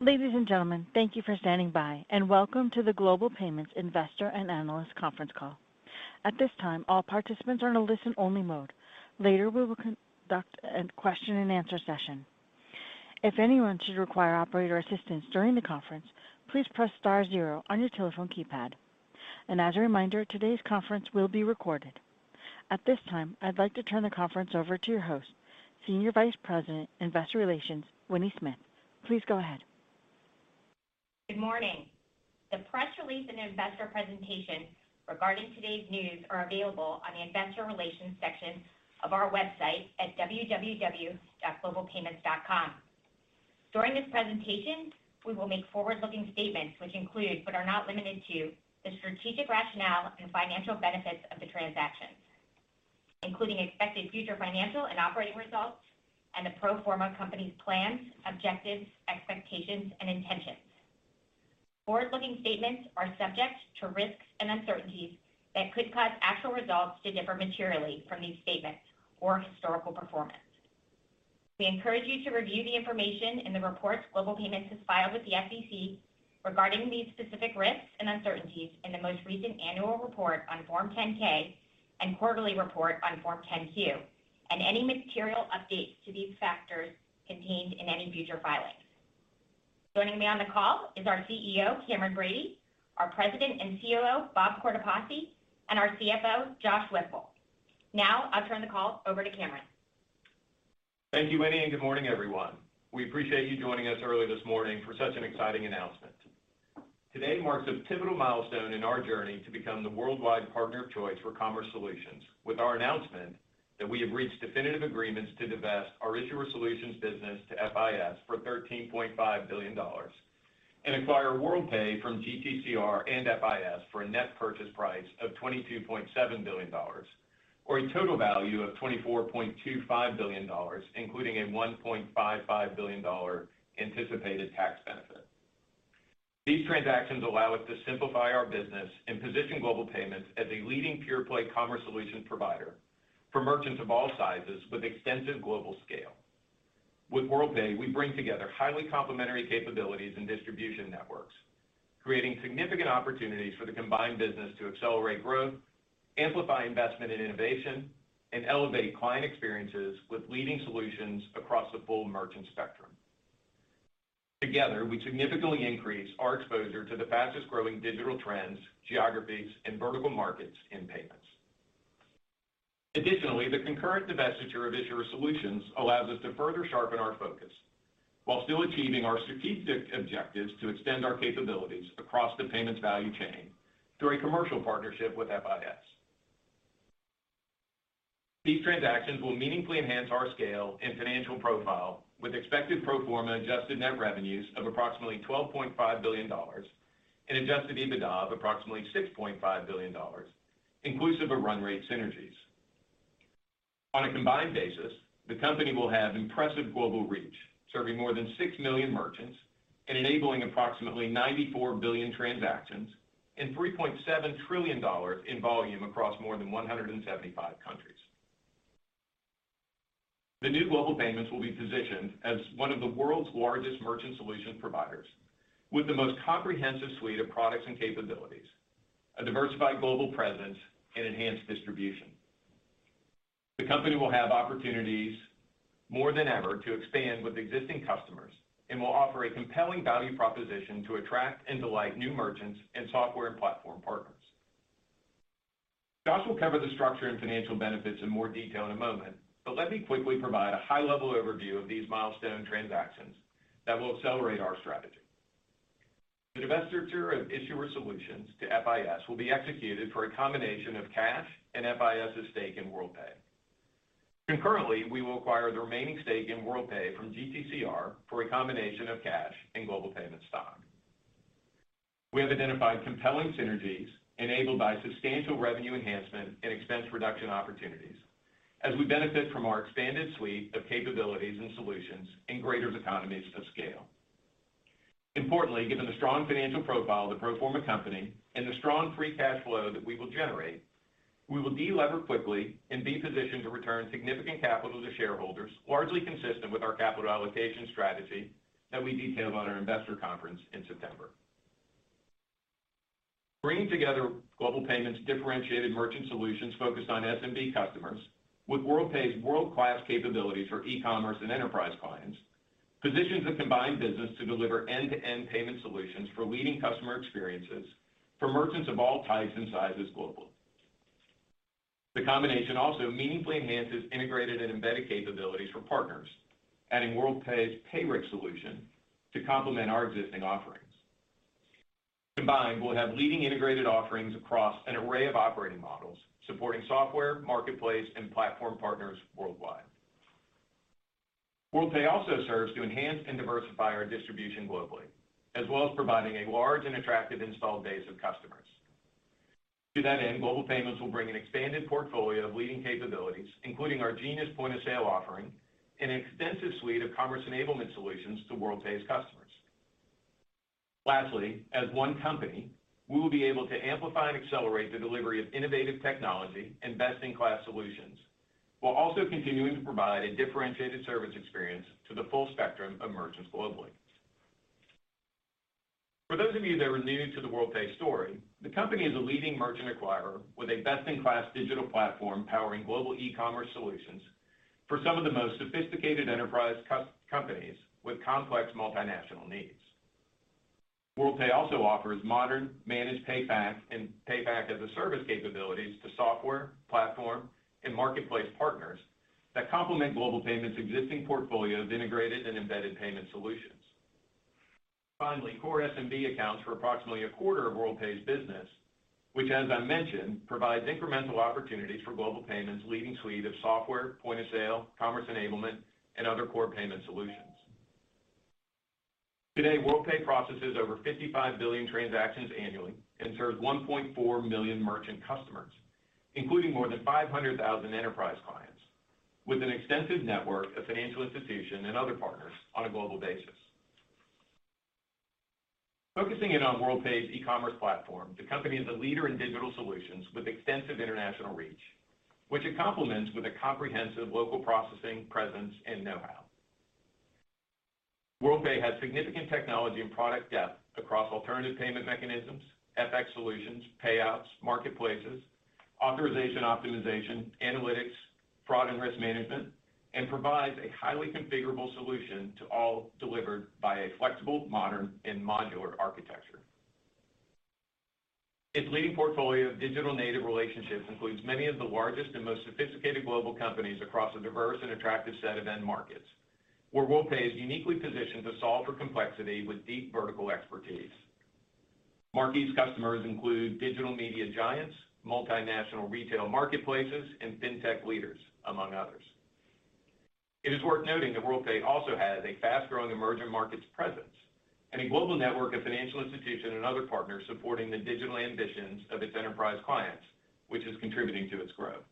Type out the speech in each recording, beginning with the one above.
Ladies and gentlemen, thank you for standing by, and welcome to the Global Payments Investor and Analyst Conference Call. At this time, all participants are in a listen-only mode. Later, we will conduct a question-and-answer session. If anyone should require operator assistance during the conference, please press star zero on your telephone keypad. As a reminder, today's conference will be recorded. At this time, I'd like to turn the conference over to your host, Senior Vice President, Investor Relations, Winnie Smith. Please go ahead. Good morning. The press release and investor presentation regarding today's news are available on the investor relations section of our website at www.globalpayments.com. During this presentation, we will make forward-looking statements which include, but are not limited to, the strategic rationale and financial benefits of the transactions, including expected future financial and operating results, and the pro forma company's plans, objectives, expectations, and intentions. Forward-looking statements are subject to risks and uncertainties that could cause actual results to differ materially from these statements or historical performance. We encourage you to review the information in the reports Global Payments has filed with the SEC regarding these specific risks and uncertainties in the most recent annual report on Form 10-K and quarterly report on Form 10-Q, and any material updates to these factors contained in any future filings. Joining me on the call is our CEO, Cameron Bready, our President and COO, Bob Cortopassi, and our CFO, Josh Whipple. Now, I'll turn the call over to Cameron. Thank you, Winnie, and good morning, everyone. We appreciate you joining us early this morning for such an exciting announcement. Today marks a pivotal milestone in our journey to become the worldwide partner of choice for commerce solutions with our announcement that we have reached definitive agreements to divest our issuer solutions business to FIS for $13.5 billion and acquire Worldpay from GTCR and FIS for a net purchase price of $22.7 billion, or a total value of $24.25 billion, including a $1.55 billion anticipated tax benefit. These transactions allow us to simplify our business and position Global Payments as a leading pure-play commerce solutions provider for merchants of all sizes with extensive global scale. With Worldpay, we bring together highly complementary capabilities and distribution networks, creating significant opportunities for the combined business to accelerate growth, amplify investment and innovation, and elevate client experiences with leading solutions across the full merchant spectrum. Together, we significantly increase our exposure to the fastest-growing digital trends, geographies, and vertical markets in payments. Additionally, the concurrent divestiture of issuer solutions allows us to further sharpen our focus while still achieving our strategic objectives to extend our capabilities across the payments value chain through a commercial partnership with FIS. These transactions will meaningfully enhance our scale and financial profile with expected pro forma adjusted net revenues of approximately $12.5 billion and adjusted EBITDA of approximately $6.5 billion, inclusive of run rate synergies. On a combined basis, the company will have impressive global reach, serving more than 6 million merchants and enabling approximately 94 billion transactions and $3.7 trillion in volume across more than 175 countries. The new Global Payments will be positioned as one of the world's largest merchant solutions providers with the most comprehensive suite of products and capabilities, a diversified global presence, and enhanced distribution. The company will have opportunities more than ever to expand with existing customers and will offer a compelling value proposition to attract and delight new merchants and software and platform partners. Josh will cover the structure and financial benefits in more detail in a moment, but let me quickly provide a high-level overview of these milestone transactions that will accelerate our strategy. The divestiture of issuer solutions to FIS will be executed for a combination of cash and FIS's stake in Worldpay. Concurrently, we will acquire the remaining stake in Worldpay from GTCR for a combination of cash and Global Payments stock. We have identified compelling synergies enabled by substantial revenue enhancement and expense reduction opportunities as we benefit from our expanded suite of capabilities and solutions in greater economies of scale. Importantly, given the strong financial profile of the pro forma company and the strong free cash flow that we will generate, we will delever quickly and be positioned to return significant capital to shareholders, largely consistent with our capital allocation strategy that we detailed on our investor conference in September. Bringing together Global Payments' differentiated merchant solutions focused on SMB customers with Worldpay's world-class capabilities for e-commerce and enterprise clients positions the combined business to deliver end-to-end payment solutions for leading customer experiences for merchants of all types and sizes globally. The combination also meaningfully enhances integrated and embedded capabilities for partners, adding Worldpay's PayRex solution to complement our existing offerings. Combined, we'll have leading integrated offerings across an array of operating models supporting software, marketplace, and platform partners worldwide. Worldpay also serves to enhance and diversify our distribution globally, as well as providing a large and attractive installed base of customers. To that end, Global Payments will bring an expanded portfolio of leading capabilities, including our Genius point-of-sale offering and extensive suite of commerce enablement solutions to Worldpay's customers. Lastly, as one company, we will be able to amplify and accelerate the delivery of innovative technology and best-in-class solutions while also continuing to provide a differentiated service experience to the full spectrum of merchants globally. For those of you that are new to the Worldpay story, the company is a leading merchant acquirer with a best-in-class digital platform powering global e-commerce solutions for some of the most sophisticated enterprise companies with complex multinational needs. Worldpay also offers modern managed Payfac and payback as a service capabilities to software, platform, and marketplace partners that complement Global Payments' existing portfolio of integrated and embedded payment solutions. Finally, core SMB accounts for approximately a quarter of Worldpay's business, which, as I mentioned, provides incremental opportunities for Global Payments' leading suite of software, point of sale, commerce enablement, and other core payment solutions. Today, Worldpay processes over 55 billion transactions annually and serves 1.4 million merchant customers, including more than 500,000 enterprise clients, with an extensive network of financial institutions and other partners on a global basis. Focusing in on Worldpay's e-commerce platform, the company is a leader in digital solutions with extensive international reach, which it complements with a comprehensive local processing presence and know-how. Worldpay has significant technology and product depth across alternative payment mechanisms, FX solutions, payouts, marketplaces, authorization optimization, analytics, fraud and risk management, and provides a highly configurable solution to all delivered by a flexible, modern, and modular architecture. Its leading portfolio of digital native relationships includes many of the largest and most sophisticated global companies across a diverse and attractive set of end markets, where Worldpay is uniquely positioned to solve for complexity with deep vertical expertise. Marquee customers include digital media giants, multinational retail marketplaces, and fintech leaders, among others. It is worth noting that Worldpay also has a fast-growing emerging markets presence and a global network of financial institutions and other partners supporting the digital ambitions of its enterprise clients, which is contributing to its growth.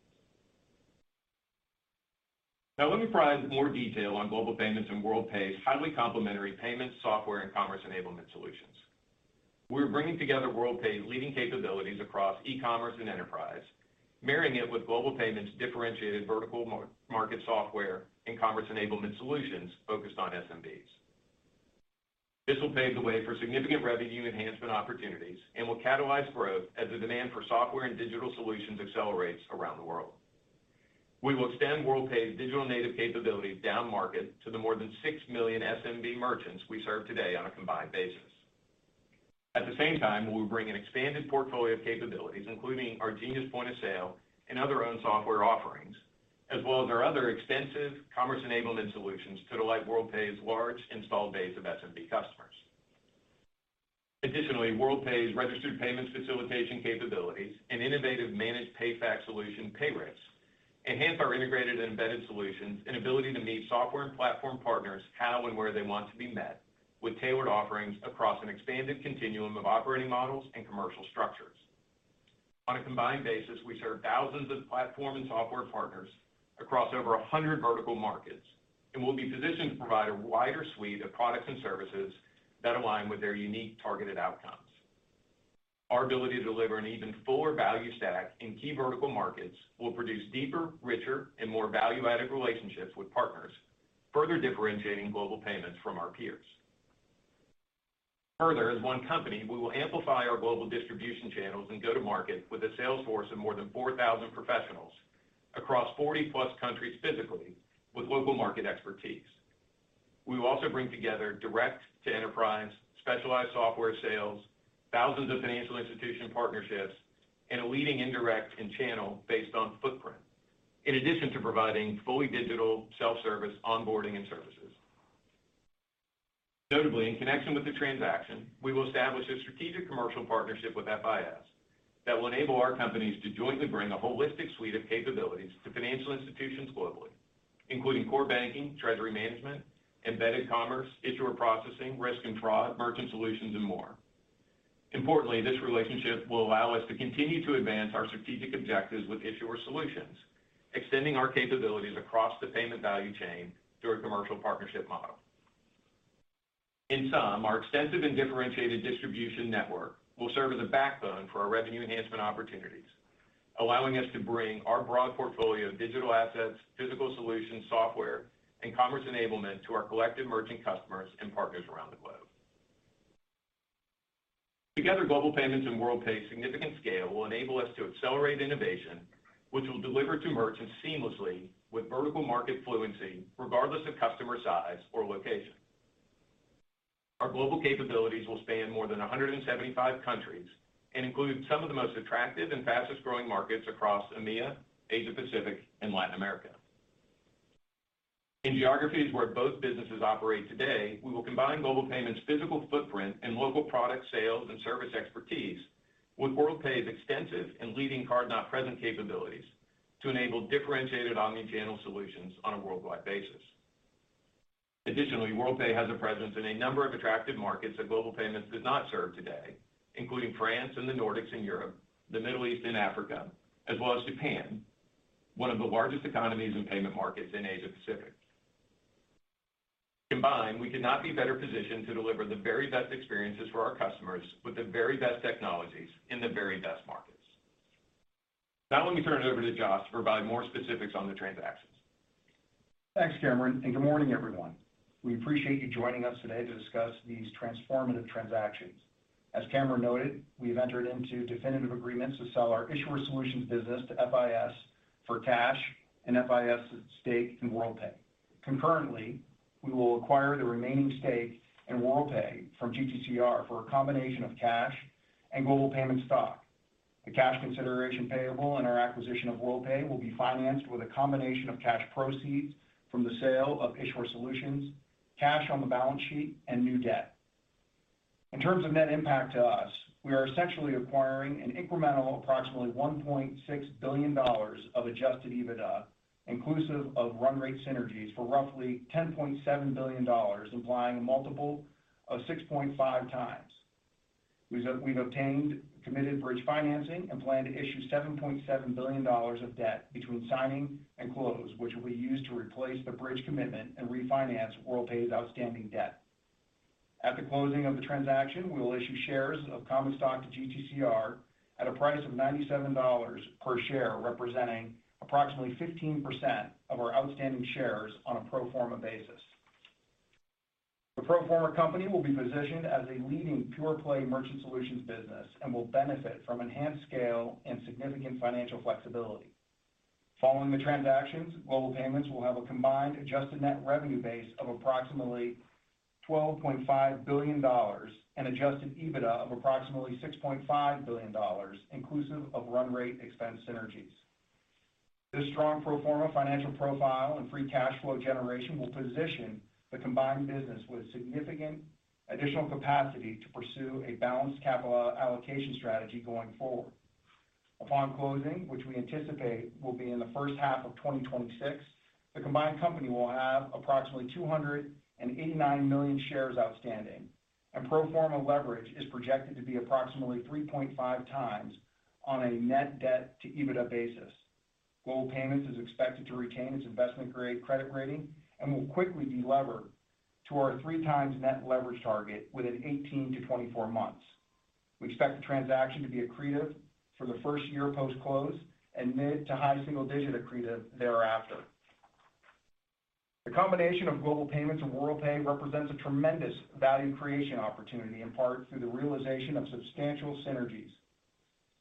Now, let me provide more detail on Global Payments and Worldpay's highly complementary payment, software, and commerce enablement solutions. We're bringing together Worldpay's leading capabilities across e-commerce and enterprise, marrying it with Global Payments' differentiated vertical market software and commerce enablement solutions focused on SMBs. This will pave the way for significant revenue enhancement opportunities and will catalyze growth as the demand for software and digital solutions accelerates around the world. We will extend Worldpay's digital native capabilities down market to the more than 6 million SMB merchants we serve today on a combined basis. At the same time, we will bring an expanded portfolio of capabilities, including our Genius point-of-sale and other owned software offerings, as well as our other extensive commerce enablement solutions to delight Worldpay's large installed base of SMB customers. Additionally, Worldpay's registered payments facilitation capabilities and innovative managed payback solution, PayRex, enhance our integrated and embedded solutions and ability to meet software and platform partners how and where they want to be met with tailored offerings across an expanded continuum of operating models and commercial structures. On a combined basis, we serve thousands of platform and software partners across over 100 vertical markets and will be positioned to provide a wider suite of products and services that align with their unique targeted outcomes. Our ability to deliver an even fuller value stack in key vertical markets will produce deeper, richer, and more value-added relationships with partners, further differentiating Global Payments from our peers. Further, as one company, we will amplify our global distribution channels and go to market with a sales force of more than 4,000 professionals across 40-plus countries physically with local market expertise. We will also bring together direct-to-enterprise, specialized software sales, thousands of financial institution partnerships, and a leading indirect and channel based on footprint, in addition to providing fully digital self-service onboarding and services. Notably, in connection with the transaction, we will establish a strategic commercial partnership with FIS that will enable our companies to jointly bring a holistic suite of capabilities to financial institutions globally, including core banking, treasury management, embedded commerce, issuer processing, risk and fraud, merchant solutions, and more. Importantly, this relationship will allow us to continue to advance our strategic objectives with issuer solutions, extending our capabilities across the payment value chain through a commercial partnership model. In sum, our extensive and differentiated distribution network will serve as a backbone for our revenue enhancement opportunities, allowing us to bring our broad portfolio of digital assets, physical solutions, software, and commerce enablement to our collective merchant customers and partners around the globe. Together, Global Payments and Worldpay's significant scale will enable us to accelerate innovation, which will deliver to merchants seamlessly with vertical market fluency regardless of customer size or location. Our global capabilities will span more than 175 countries and include some of the most attractive and fastest-growing markets across EMEA, Asia-Pacific, and Latin America. In geographies where both businesses operate today, we will combine Global Payments' physical footprint and local product sales and service expertise with Worldpay's extensive and leading card-not-present capabilities to enable differentiated omnichannel solutions on a worldwide basis. Additionally, Worldpay has a presence in a number of attractive markets that Global Payments does not serve today, including France and the Nordics and Europe, the Middle East and Africa, as well as Japan, one of the largest economies and payment markets in Asia-Pacific. Combined, we could not be better positioned to deliver the very best experiences for our customers with the very best technologies in the very best markets. Now, let me turn it over to Josh to provide more specifics on the transactions. Thanks, Cameron, and good morning, everyone. We appreciate you joining us today to discuss these transformative transactions. As Cameron noted, we have entered into definitive agreements to sell our issuer solutions business to FIS for cash and FIS's stake in Worldpay. Concurrently, we will acquire the remaining stake in Worldpay from GTCR for a combination of cash and Global Payments stock. The cash consideration payable in our acquisition of Worldpay will be financed with a combination of cash proceeds from the sale of issuer solutions, cash on the balance sheet, and new debt. In terms of net impact to us, we are essentially acquiring an incremental approximately $1.6 billion of adjusted EBITDA, inclusive of run rate synergies, for roughly $10.7 billion, implying a multiple of 6.5 times. We've obtained committed bridge financing and plan to issue $7.7 billion of debt between signing and close, which will be used to replace the bridge commitment and refinance Worldpay's outstanding debt. At the closing of the transaction, we will issue shares of common stock to GTCR at a price of $97 per share, representing approximately 15% of our outstanding shares on a pro forma basis. The pro forma company will be positioned as a leading pure-play merchant solutions business and will benefit from enhanced scale and significant financial flexibility. Following the transactions, Global Payments will have a combined adjusted net revenue base of approximately $12.5 billion and adjusted EBITDA of approximately $6.5 billion, inclusive of run rate expense synergies. This strong pro forma financial profile and free cash flow generation will position the combined business with significant additional capacity to pursue a balanced capital allocation strategy going forward. Upon closing, which we anticipate will be in the first half of 2026, the combined company will have approximately 289 million shares outstanding, and pro forma leverage is projected to be approximately 3.5 times on a net debt-to-EBITDA basis. Global Payments is expected to retain its investment-grade credit rating and will quickly delever to our 3-times net leverage target within 18 to 24 months. We expect the transaction to be accretive for the first year post-close and mid to high single-digit accretive thereafter. The combination of Global Payments and Worldpay represents a tremendous value creation opportunity, in part through the realization of substantial synergies.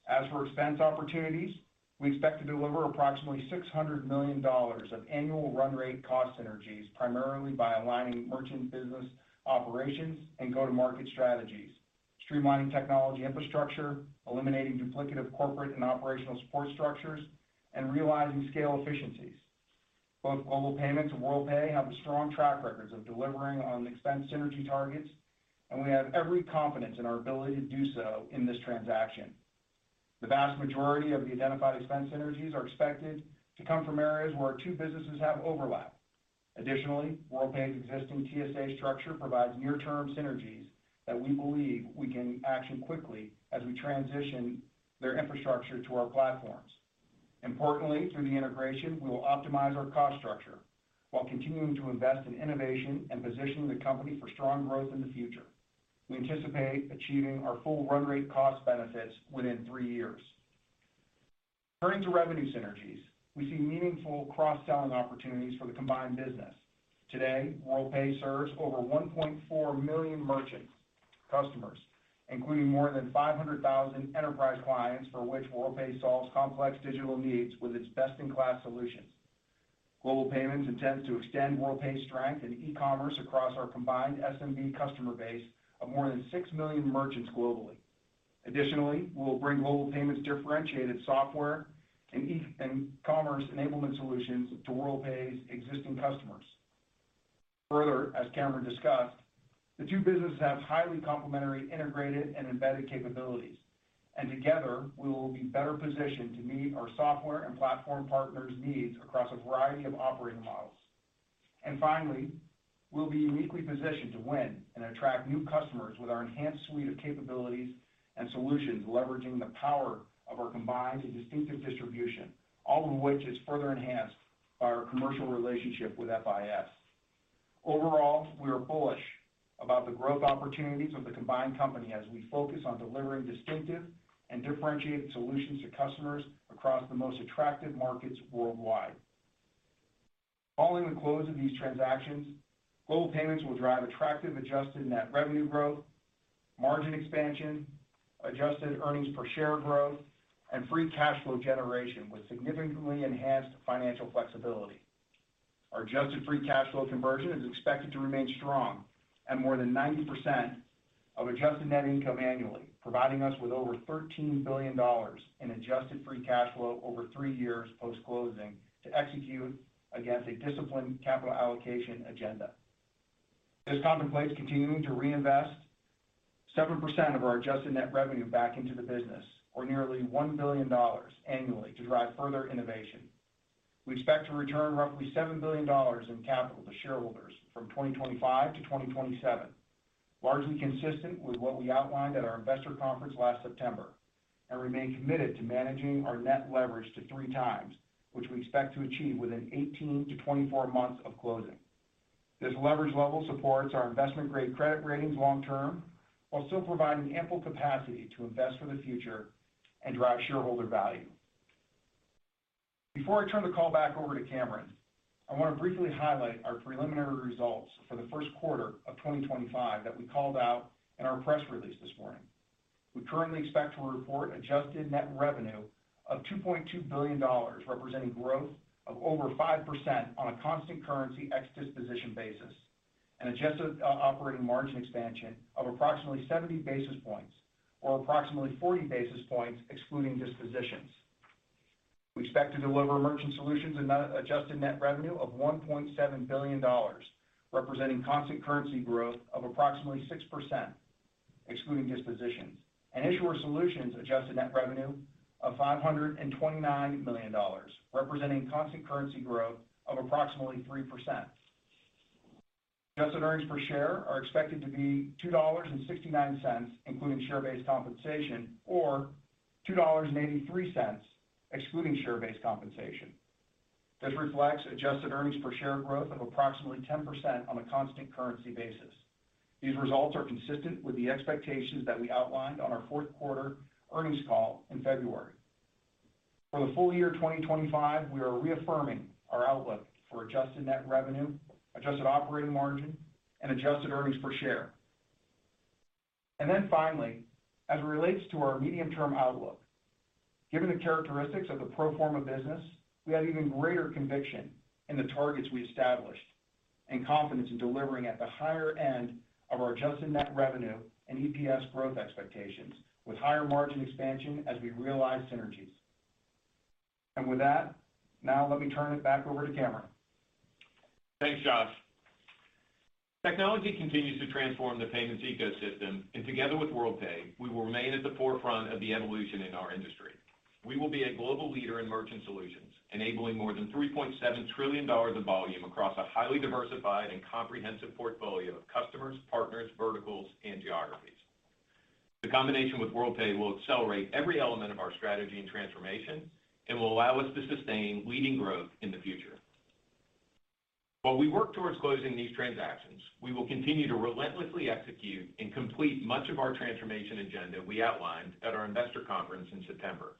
As for expense opportunities, we expect to deliver approximately $600 million of annual run rate cost synergies, primarily by aligning merchant business operations and go-to-market strategies, streamlining technology infrastructure, eliminating duplicative corporate and operational support structures, and realizing scale efficiencies. Both Global Payments and Worldpay have a strong track record of delivering on expense synergy targets, and we have every confidence in our ability to do so in this transaction. The vast majority of the identified expense synergies are expected to come from areas where our two businesses have overlap. Additionally, Worldpay's existing TSA structure provides near-term synergies that we believe we can action quickly as we transition their infrastructure to our platforms. Importantly, through the integration, we will optimize our cost structure while continuing to invest in innovation and positioning the company for strong growth in the future. We anticipate achieving our full run rate cost benefits within three years. Turning to revenue synergies, we see meaningful cross-selling opportunities for the combined business. Today, Worldpay serves over 1.4 million merchant customers, including more than 500,000 enterprise clients for which Worldpay solves complex digital needs with its best-in-class solutions. Global Payments intends to extend Worldpay's strength in e-commerce across our combined SMB customer base of more than 6 million merchants globally. Additionally, we will bring Global Payments' differentiated software and commerce enablement solutions to Worldpay's existing customers. Further, as Cameron discussed, the two businesses have highly complementary integrated and embedded capabilities, and together, we will be better positioned to meet our software and platform partners' needs across a variety of operating models. Finally, we will be uniquely positioned to win and attract new customers with our enhanced suite of capabilities and solutions, leveraging the power of our combined and distinctive distribution, all of which is further enhanced by our commercial relationship with FIS. Overall, we are bullish about the growth opportunities of the combined company as we focus on delivering distinctive and differentiated solutions to customers across the most attractive markets worldwide. Following the close of these transactions, Global Payments will drive attractive adjusted net revenue growth, margin expansion, adjusted earnings per share growth, and free cash flow generation with significantly enhanced financial flexibility. Our adjusted free cash flow conversion is expected to remain strong at more than 90% of adjusted net income annually, providing us with over $13 billion in adjusted free cash flow over three years post-closing to execute against a disciplined capital allocation agenda. This contemplates continuing to reinvest 7% of our adjusted net revenue back into the business, or nearly $1 billion annually, to drive further innovation. We expect to return roughly $7 billion in capital to shareholders from 2025 to 2027, largely consistent with what we outlined at our investor conference last September, and remain committed to managing our net leverage to three times, which we expect to achieve within 18 to 24 months of closing. This leverage level supports our investment-grade credit ratings long-term while still providing ample capacity to invest for the future and drive shareholder value. Before I turn the call back over to Cameron, I want to briefly highlight our preliminary results for the first quarter of 2025 that we called out in our press release this morning. We currently expect to report adjusted net revenue of $2.2 billion, representing growth of over 5% on a constant currency ex-disposition basis, and adjusted operating margin expansion of approximately 70 basis points, or approximately 40 basis points excluding dispositions. We expect to deliver merchant solutions an adjusted net revenue of $1.7 billion, representing constant currency growth of approximately 6% excluding dispositions, and issuer solutions adjusted net revenue of $529 million, representing constant currency growth of approximately 3%. Adjusted earnings per share are expected to be $2.69, including share-based compensation, or $2.83, excluding share-based compensation. This reflects adjusted earnings per share growth of approximately 10% on a constant currency basis. These results are consistent with the expectations that we outlined on our fourth quarter earnings call in February. For the full year 2025, we are reaffirming our outlook for adjusted net revenue, adjusted operating margin, and adjusted earnings per share. Finally, as it relates to our medium-term outlook, given the characteristics of the pro forma business, we have even greater conviction in the targets we established and confidence in delivering at the higher end of our adjusted net revenue and EPS growth expectations with higher margin expansion as we realize synergies. With that, now let me turn it back over to Cameron. Thanks, Josh. Technology continues to transform the payments ecosystem, and together with Worldpay, we will remain at the forefront of the evolution in our industry. We will be a global leader in merchant solutions, enabling more than $3.7 trillion of volume across a highly diversified and comprehensive portfolio of customers, partners, verticals, and geographies. The combination with Worldpay will accelerate every element of our strategy and transformation and will allow us to sustain leading growth in the future. While we work towards closing these transactions, we will continue to relentlessly execute and complete much of our transformation agenda we outlined at our investor conference in September.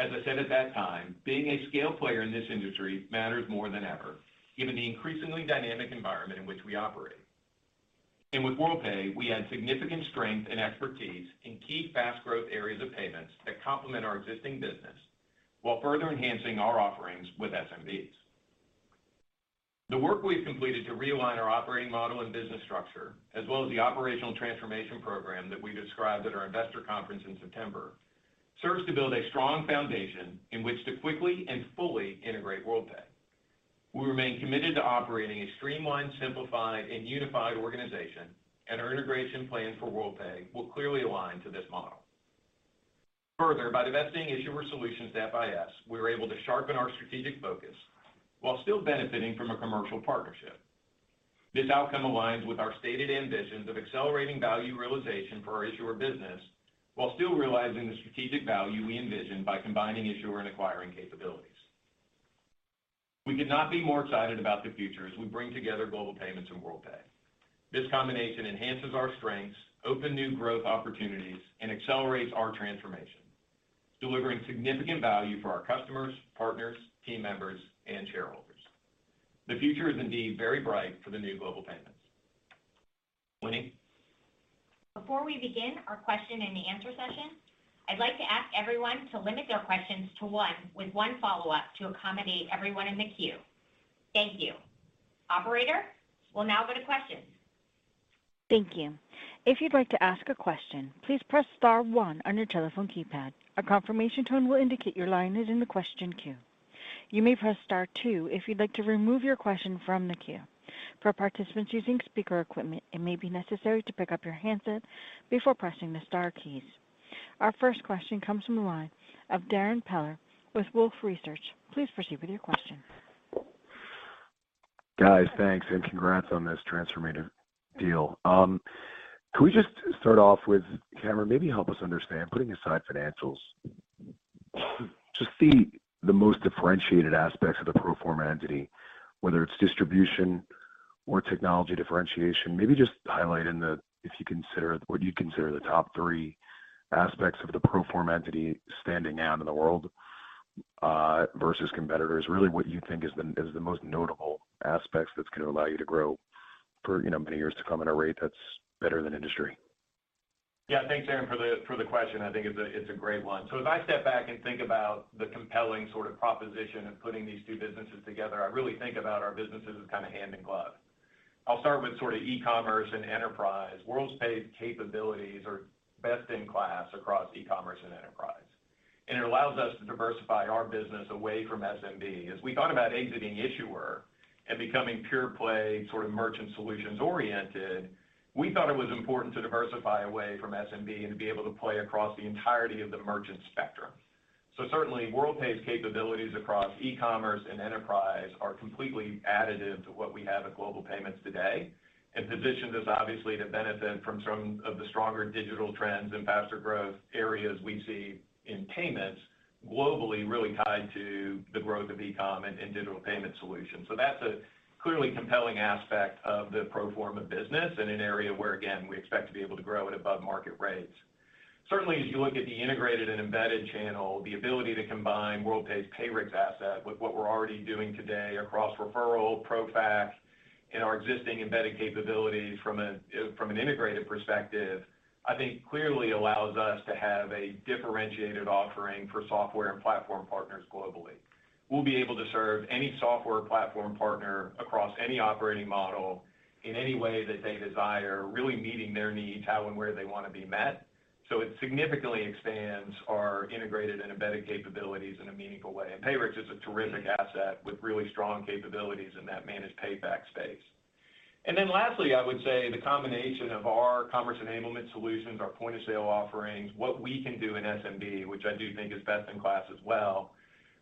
As I said at that time, being a scale player in this industry matters more than ever, given the increasingly dynamic environment in which we operate. With Worldpay, we add significant strength and expertise in key fast-growth areas of payments that complement our existing business while further enhancing our offerings with SMBs. The work we've completed to realign our operating model and business structure, as well as the operational transformation program that we described at our investor conference in September, serves to build a strong foundation in which to quickly and fully integrate Worldpay. We remain committed to operating a streamlined, simplified, and unified organization, and our integration plan for Worldpay will clearly align to this model. Further, by divesting issuer solutions to FIS, we are able to sharpen our strategic focus while still benefiting from a commercial partnership. This outcome aligns with our stated ambitions of accelerating value realization for our issuer business while still realizing the strategic value we envisioned by combining issuer and acquiring capabilities. We could not be more excited about the future as we bring together Global Payments and Worldpay. This combination enhances our strengths, opens new growth opportunities, and accelerates our transformation, delivering significant value for our customers, partners, team members, and shareholders. The future is indeed very bright for the new Global Payments. Winnie. Before we begin our question-and-answer session, I'd like to ask everyone to limit their questions to one with one follow-up to accommodate everyone in the queue. Thank you. Operator, we'll now go to questions. Thank you. If you'd like to ask a question, please press Star 1 on your telephone keypad. A confirmation tone will indicate your line is in the question queue. You may press Star 2 if you'd like to remove your question from the queue. For participants using speaker equipment, it may be necessary to pick up your handset before pressing the Star keys. Our first question comes from the line of Darren Peller with Wolfe Research. Please proceed with your question. Guys, thanks, and congrats on this transformative deal. Can we just start off with, Cameron, maybe help us understand, putting aside financials, just the most differentiated aspects of the pro forma entity, whether it's distribution or technology differentiation, maybe just highlighting the, if you consider, what you consider the top three aspects of the pro forma entity standing out in the world versus competitors, really what you think is the most notable aspects that's going to allow you to grow for many years to come at a rate that's better than industry. Yeah, thanks, Darrin, for the question. I think it's a great one. As I step back and think about the compelling sort of proposition of putting these two businesses together, I really think about our businesses as kind of hand in glove. I'll start with sort of e-commerce and enterprise. Worldpay's capabilities are best in class across e-commerce and enterprise, and it allows us to diversify our business away from SMB. As we thought about exiting issuer and becoming pure-play sort of merchant solutions-oriented, we thought it was important to diversify away from SMB and to be able to play across the entirety of the merchant spectrum. Certainly, Worldpay's capabilities across e-commerce and enterprise are completely additive to what we have at Global Payments today and position us, obviously, to benefit from some of the stronger digital trends and faster growth areas we see in payments globally, really tied to the growth of e-com and digital payment solutions. That is a clearly compelling aspect of the pro forma business in an area where, again, we expect to be able to grow at above-market rates. Certainly, as you look at the integrated and embedded channel, the ability to combine Worldpay's Payrexx asset with what we're already doing today across referral, ProFac, and our existing embedded capabilities from an integrated perspective, I think clearly allows us to have a differentiated offering for software and platform partners globally. We'll be able to serve any software platform partner across any operating model in any way that they desire, really meeting their needs, how and where they want to be met. It significantly expands our integrated and embedded capabilities in a meaningful way. Payrexx is a terrific asset with really strong capabilities in that managed payback space. Lastly, I would say the combination of our commerce enablement solutions, our point-of-sale offerings, what we can do in SMB, which I do think is best in class as well,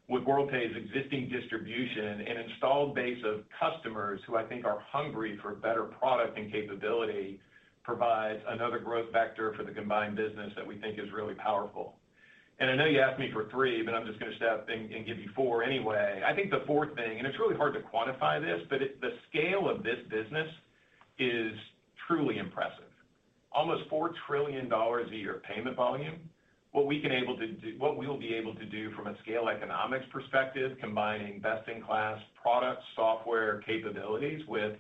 with Worldpay's existing distribution and installed base of customers who I think are hungry for better product and capability provides another growth vector for the combined business that we think is really powerful. I know you asked me for three, but I'm just going to step and give you four anyway. I think the fourth thing, and it's really hard to quantify this, but the scale of this business is truly impressive. Almost $4 trillion a year payment volume, what we can be able to do, what we'll be able to do from a scale economics perspective, combining best-in-class product software capabilities with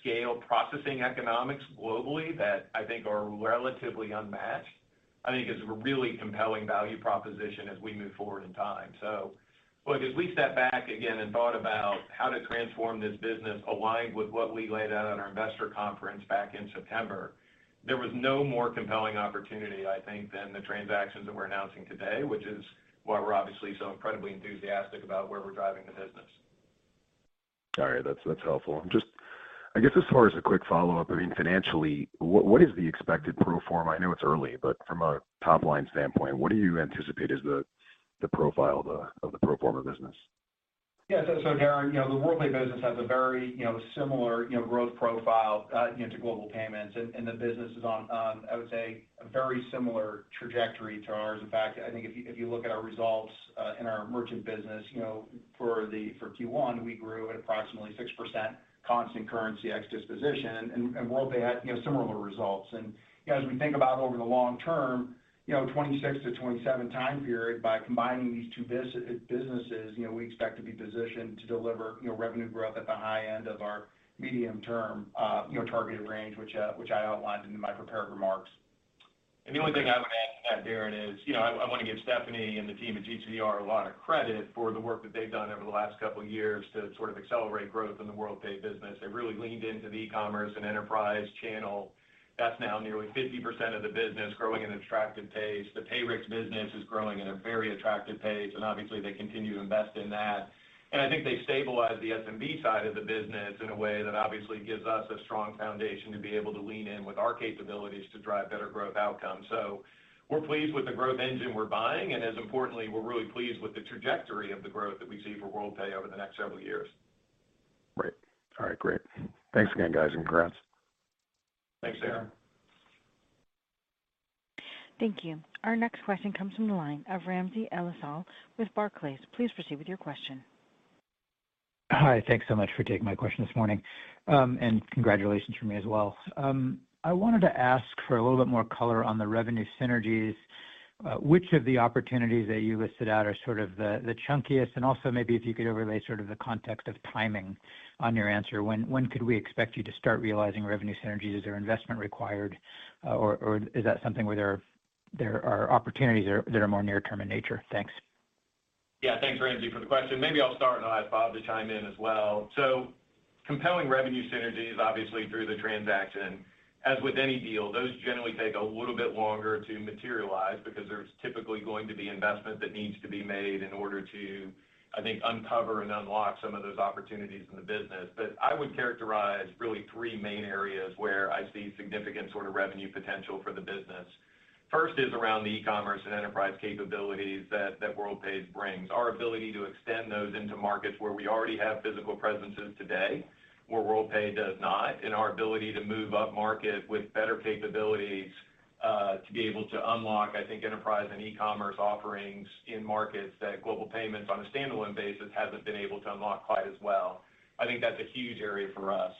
scale processing economics globally that I think are relatively unmatched, I think is a really compelling value proposition as we move forward in time. As we step back again and thought about how to transform this business aligned with what we laid out at our investor conference back in September, there was no more compelling opportunity, I think, than the transactions that we're announcing today, which is why we're obviously so incredibly enthusiastic about where we're driving the business. All right. That's helpful. I guess as far as a quick follow-up, I mean, financially, what is the expected pro forma? I know it's early, but from a top-line standpoint, what do you anticipate is the profile of the pro forma business? Yeah. Darren knows the Worldpay business has a very similar growth profile to Global Payments, and the business is on, I would say, a very similar trajectory to ours. In fact, I think if you look at our results in our merchant business, for Q1, we grew at approximately 6% constant currency ex-disposition, and Worldpay had similar results. As we think about over the long term, 2026 to 2027 time period, by combining these two businesses, we expect to be positioned to deliver revenue growth at the high end of our medium-term targeted range, which I outlined in my prepared remarks. The only thing I would add to that, Darrin, is I want to give Stephanie and the team at GTCR a lot of credit for the work that they have done over the last couple of years to sort of accelerate growth in the Worldpay business. They have really leaned into the e-commerce and enterprise channel. That is now nearly 50% of the business, growing at an attractive pace. The Payrexx business is growing at a very attractive pace, and obviously, they continue to invest in that. I think they have stabilized the SMB side of the business in a way that obviously gives us a strong foundation to be able to lean in with our capabilities to drive better growth outcomes. We're pleased with the growth engine we're buying, and as importantly, we're really pleased with the trajectory of the growth that we see for Worldpay over the next several years. Right. All right. Great. Thanks again, guys, and congrats. Thanks, Darrin. Thank you. Our next question comes from the line of Ramsey El-Assal with Barclays. Please proceed with your question. Hi. Thanks so much for taking my question this morning, and congratulations from me as well. I wanted to ask for a little bit more color on the revenue synergies. Which of the opportunities that you listed out are sort of the chunkiest? And also maybe if you could overlay sort of the context of timing on your answer. When could we expect you to start realizing revenue synergies? Is there investment required, or is that something where there are opportunities that are more near-term in nature? Thanks. Yeah. Thanks, Ramsey, for the question. Maybe I'll start, and I'll have Bob chime in as well. Compelling revenue synergies, obviously, through the transaction, as with any deal, those generally take a little bit longer to materialize because there's typically going to be investment that needs to be made in order to, I think, uncover and unlock some of those opportunities in the business. I would characterize really three main areas where I see significant sort of revenue potential for the business. First is around the e-commerce and enterprise capabilities that Worldpay brings. Our ability to extend those into markets where we already have physical presences today, where Worldpay does not, and our ability to move up market with better capabilities to be able to unlock, I think, enterprise and e-commerce offerings in markets that Global Payments on a standalone basis hasn't been able to unlock quite as well. I think that's a huge area for us.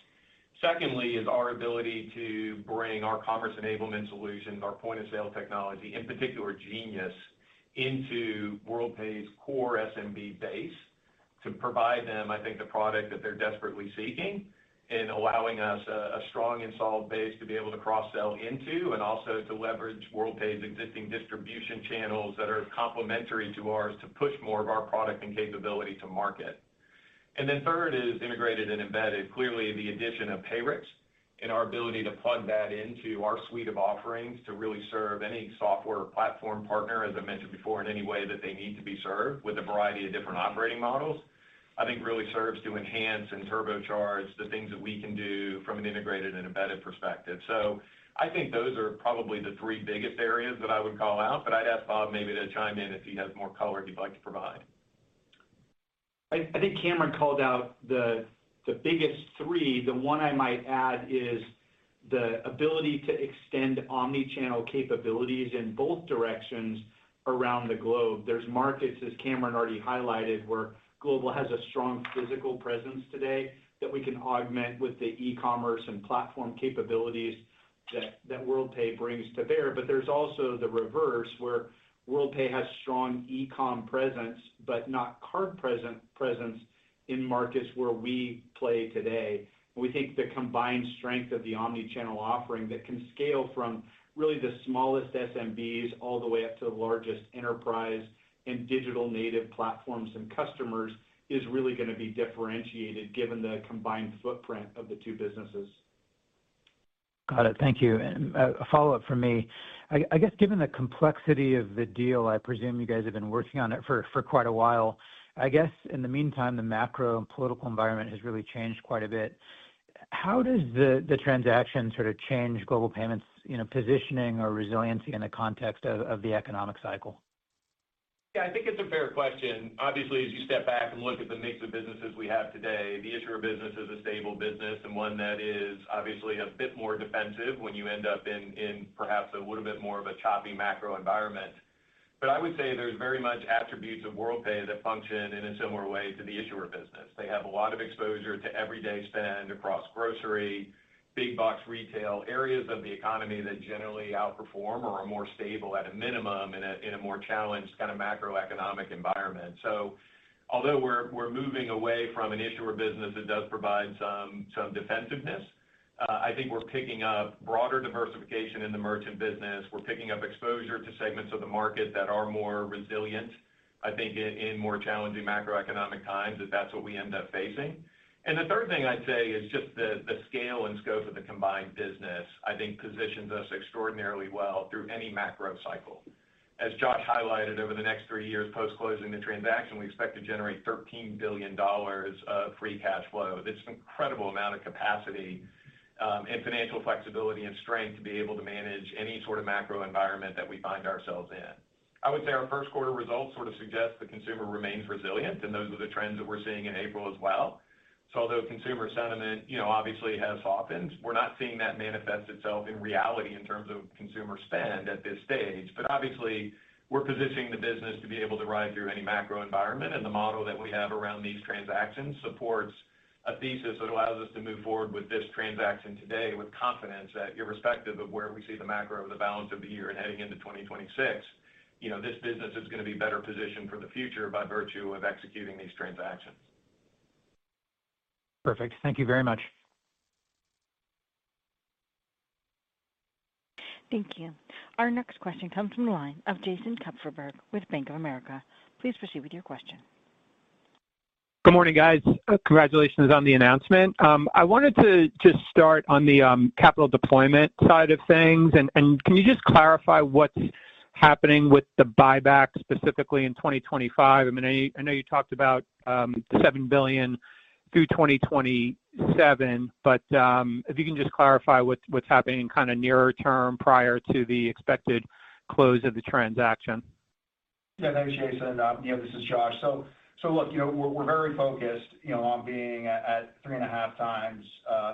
Secondly is our ability to bring our commerce enablement solutions, our point-of-sale technology, in particular, Genius, into Worldpay's core SMB base to provide them, I think, the product that they're desperately seeking and allowing us a strong installed base to be able to cross-sell into and also to leverage Worldpay's existing distribution channels that are complementary to ours to push more of our product and capability to market. Third is integrated and embedded. Clearly, the addition of PayRex and our ability to plug that into our suite of offerings to really serve any software platform partner, as I mentioned before, in any way that they need to be served with a variety of different operating models, I think really serves to enhance and turbocharge the things that we can do from an integrated and embedded perspective. I think those are probably the three biggest areas that I would call out, but I'd ask Bob maybe to chime in if he has more color he'd like to provide. I think Cameron called out the biggest three. The one I might add is the ability to extend omnichannel capabilities in both directions around the globe. There's markets, as Cameron already highlighted, where Global has a strong physical presence today that we can augment with the e-commerce and platform capabilities that Worldpay brings to bear. There is also the reverse where Worldpay has strong e-com presence but not card presence in markets where we play today. We think the combined strength of the omnichannel offering that can scale from really the smallest SMBs all the way up to the largest enterprise and digital native platforms and customers is really going to be differentiated given the combined footprint of the two businesses. Got it. Thank you. A follow-up from me. I guess given the complexity of the deal, I presume you guys have been working on it for quite a while. I guess in the meantime, the macro and political environment has really changed quite a bit. How does the transaction sort of change Global Payments' positioning or resiliency in the context of the economic cycle? Yeah. I think it's a fair question. Obviously, as you step back and look at the mix of businesses we have today, the issuer business is a stable business and one that is obviously a bit more defensive when you end up in perhaps a little bit more of a choppy macro environment. I would say there's very much attributes of Worldpay that function in a similar way to the issuer business. They have a lot of exposure to everyday spend across grocery, big-box retail areas of the economy that generally outperform or are more stable at a minimum in a more challenged kind of macroeconomic environment. Although we're moving away from an issuer business that does provide some defensiveness, I think we're picking up broader diversification in the merchant business. We're picking up exposure to segments of the market that are more resilient, I think, in more challenging macroeconomic times if that's what we end up facing. The third thing I'd say is just the scale and scope of the combined business, I think, positions us extraordinarily well through any macro cycle. As Josh highlighted, over the next three years post-closing the transaction, we expect to generate $13 billion of free cash flow. That's an incredible amount of capacity and financial flexibility and strength to be able to manage any sort of macro environment that we find ourselves in. I would say our first quarter results sort of suggest the consumer remains resilient, and those are the trends that we're seeing in April as well. Although consumer sentiment obviously has softened, we're not seeing that manifest itself in reality in terms of consumer spend at this stage. Obviously, we're positioning the business to be able to ride through any macro environment, and the model that we have around these transactions supports a thesis that allows us to move forward with this transaction today with confidence that irrespective of where we see the macro or the balance of the year and heading into 2026, this business is going to be better positioned for the future by virtue of executing these transactions. Perfect. Thank you very much. Thank you. Our next question comes from the line of Jason Kupferberg with Bank of America. Please proceed with your question. Good morning, guys. Congratulations on the announcement. I wanted to just start on the capital deployment side of things. Can you just clarify what's happening with the buyback specifically in 2025? I mean, I know you talked about $7 billion through 2027, but if you can just clarify what's happening kind of nearer term prior to the expected close of the transaction. Yeah. Thanks, Jason. This is Josh. Look, we're very focused on being at three and a half times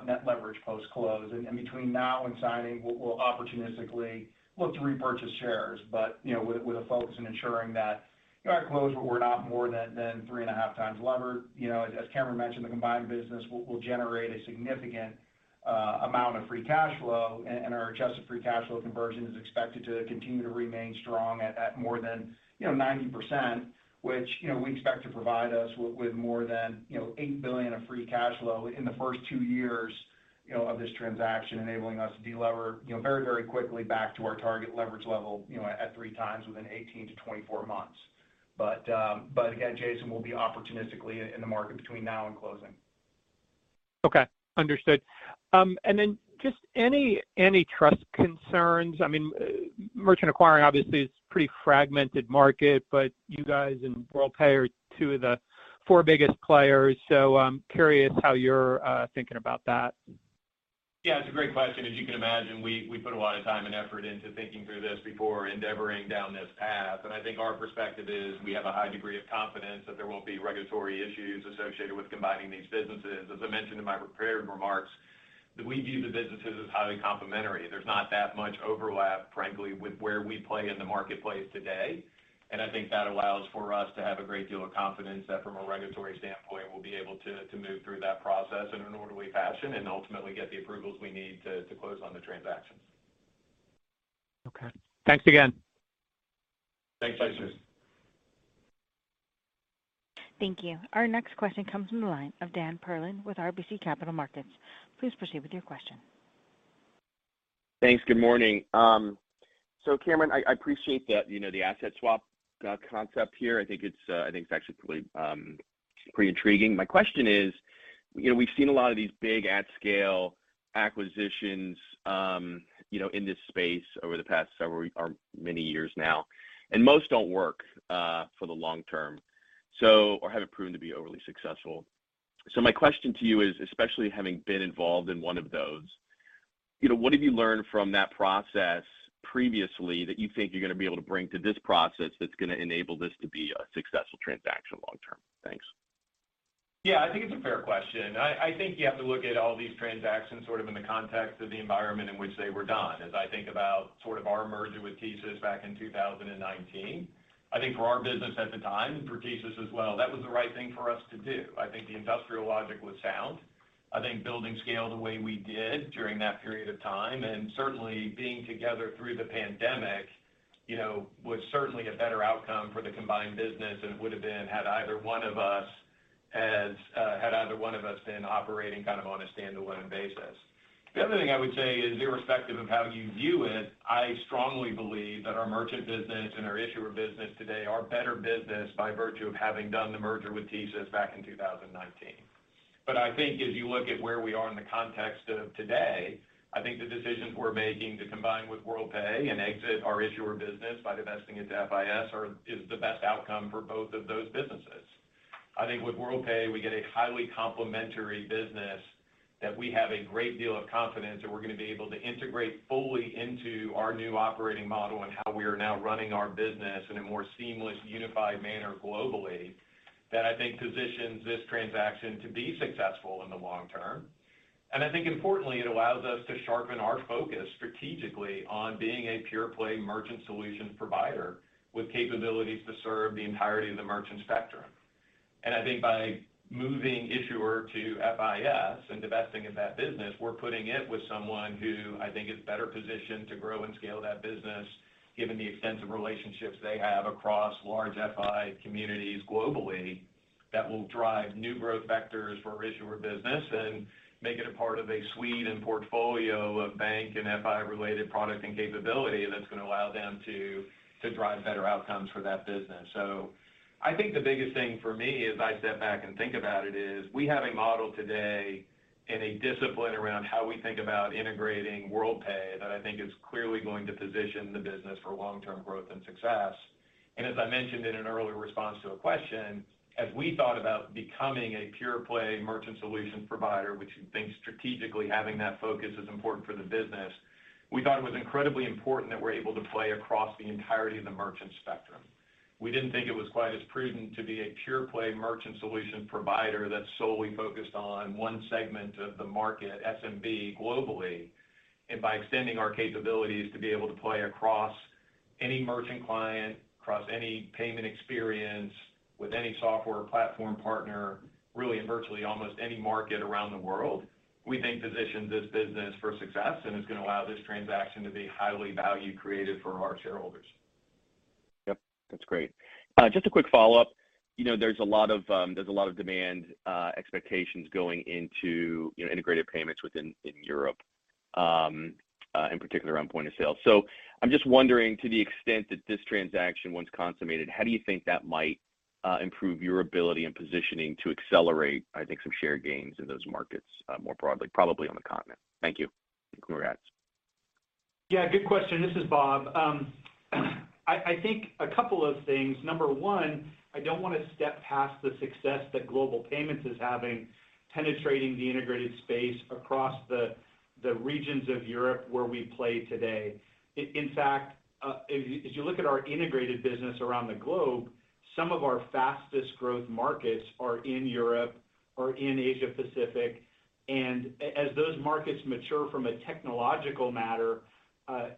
net leverage post-close. And between now and signing, we'll opportunistically look to repurchase shares, but with a focus on ensuring that our close will not be more than three and a half times leverage. As Cameron mentioned, the combined business will generate a significant amount of free cash flow, and our adjusted free cash flow conversion is expected to continue to remain strong at more than 90%, which we expect to provide us with more than $8 billion of free cash flow in the first two years of this transaction, enabling us to delever very, very quickly back to our target leverage level at three times within 18-24 months. Jason, we'll be opportunistically in the market between now and closing. Okay. Understood. Any trust concerns? I mean, merchant acquiring obviously is a pretty fragmented market, but you guys and Worldpay are two of the four biggest players. Curious how you're thinking about that. Yeah. It's a great question. As you can imagine, we put a lot of time and effort into thinking through this before endeavoring down this path. I think our perspective is we have a high degree of confidence that there won't be regulatory issues associated with combining these businesses. As I mentioned in my prepared remarks, we view the businesses as highly complementary. There's not that much overlap, frankly, with where we play in the marketplace today. I think that allows for us to have a great deal of confidence that from a regulatory standpoint, we'll be able to move through that process in an orderly fashion and ultimately get the approvals we need to close on the transactions. Okay. Thanks again. Thanks, Jason. Thank you. Our next question comes from the line of Dan Perlin with RBC Capital Markets. Please proceed with your question. Thanks. Good morning. Cameron, I appreciate the asset swap concept here. I think it's actually pretty intriguing. My question is, we've seen a lot of these big at-scale acquisitions in this space over the past several or many years now, and most don't work for the long term or haven't proven to be overly successful. My question to you is, especially having been involved in one of those, what have you learned from that process previously that you think you're going to be able to bring to this process that's going to enable this to be a successful transaction long term? Thanks. Yeah. I think it's a fair question. I think you have to look at all these transactions sort of in the context of the environment in which they were done. As I think about sort of our merger with TSYS back in 2019, I think for our business at the time and for TSYS as well, that was the right thing for us to do. I think the industrial logic was sound. I think building scale the way we did during that period of time and certainly being together through the pandemic was certainly a better outcome for the combined business than it would have been had either one of us been operating kind of on a standalone basis. The other thing I would say is irrespective of how you view it, I strongly believe that our merchant business and our issuer business today are better business by virtue of having done the merger with TSYS back in 2019. I think as you look at where we are in the context of today, I think the decisions we're making to combine with Worldpay and exit our issuer business by divesting into FIS is the best outcome for both of those businesses. I think with Worldpay, we get a highly complementary business that we have a great deal of confidence that we're going to be able to integrate fully into our new operating model and how we are now running our business in a more seamless, unified manner globally that I think positions this transaction to be successful in the long term. I think importantly, it allows us to sharpen our focus strategically on being a pure-play merchant solution provider with capabilities to serve the entirety of the merchant spectrum. I think by moving issuer to FIS and divesting in that business, we're putting it with someone who I think is better positioned to grow and scale that business given the extensive relationships they have across large FI communities globally that will drive new growth vectors for issuer business and make it a part of a suite and portfolio of bank and FI-related product and capability that's going to allow them to drive better outcomes for that business. I think the biggest thing for me as I step back and think about it is we have a model today and a discipline around how we think about integrating Worldpay that I think is clearly going to position the business for long-term growth and success. As I mentioned in an earlier response to a question, as we thought about becoming a pure-play merchant solution provider, which we think strategically having that focus is important for the business, we thought it was incredibly important that we're able to play across the entirety of the merchant spectrum. We didn't think it was quite as prudent to be a pure-play merchant solution provider that's solely focused on one segment of the market, SMB, globally, and by extending our capabilities to be able to play across any merchant client, across any payment experience with any software platform partner, really in virtually almost any market around the world, we think positions this business for success and is going to allow this transaction to be highly value-created for our shareholders. Yep. That's great. Just a quick follow-up. There's a lot of demand expectations going into integrated payments within Europe, in particular on point of sale. I'm just wondering, to the extent that this transaction once consummated, how do you think that might improve your ability and positioning to accelerate, I think, some share gains in those markets more broadly, probably on the continent? Thank you. Congrats. Good question. This is Bob. I think a couple of things. Number one, I don't want to step past the success that Global Payments is having penetrating the integrated space across the regions of Europe where we play today. In fact, as you look at our integrated business around the globe, some of our fastest growth markets are in Europe or in Asia-Pacific. As those markets mature from a technological matter,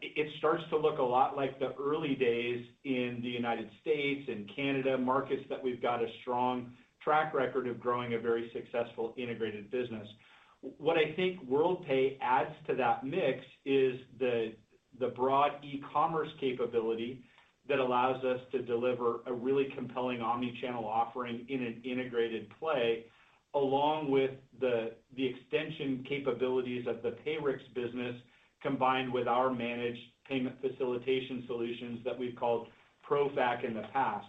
it starts to look a lot like the early days in the United States and Canada markets that we've got a strong track record of growing a very successful integrated business. What I think Worldpay adds to that mix is the broad e-commerce capability that allows us to deliver a really compelling omnichannel offering in an integrated play along with the extension capabilities of the PayRex business combined with our managed payment facilitation solutions that we've called ProFac in the past.